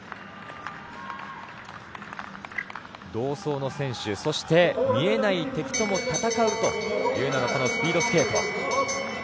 同走の選手、そして見えない敵とも戦うというのがこのスピードスケート。